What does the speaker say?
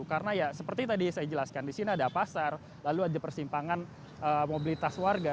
karena ya seperti tadi saya jelaskan di sini ada pasar lalu ada persimpangan mobilitas warga